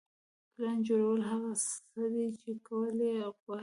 پلان جوړول هغه څه دي چې کول یې غواړئ.